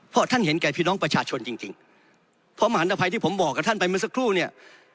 เพราะท่านเห็นแก่พี่น้องประชาชนจริงจริงเพราะมหานภัยที่ผมบอกกับท่านไปเมื่อสักครู่เนี่ย